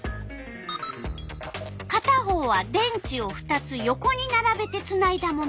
かた方は電池を２つ横にならべてつないだもの。